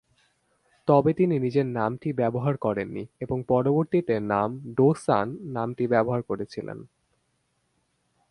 তবে তিনি নিজের নামটি ব্যবহার করেননি এবং পরিবর্তে নাম ডো-সান নামটি ব্যবহার করেছিলেন।